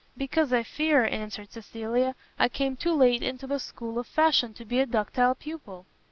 "Because I fear," answered Cecilia, "I came too late into the school of fashion to be a ductile pupil."